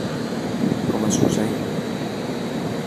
Com va succeir?